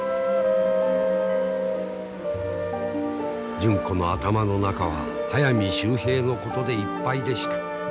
純子の頭の中は速水秀平のことでいっぱいでした。